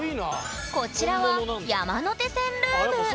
こちらは山手線ルーム。